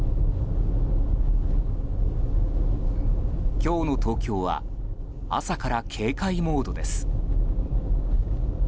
今日の東京は朝から警戒モードです。